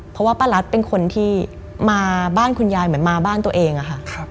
เพราะว่าป้ารัสเป็นคนที่มาบ้านคุณยายเหมือนมาบ้านตัวเองอะค่ะ